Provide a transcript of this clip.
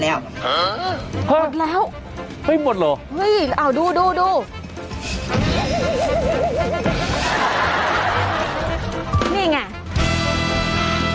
เอาให้ดูนะนี่นี่แล้วดูนี่ไง